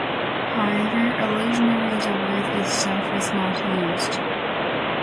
However, originally the word itself was not used.